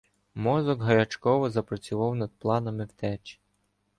Мозок гарячково запрацював над планами втечі.